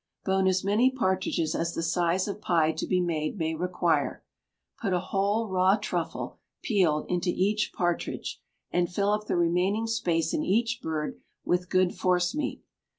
Bone as many partridges as the size of pie to be made may require. Put a whole raw truffle, peeled, into each partridge, and fill up the remaining space in each bird with good forcemeat.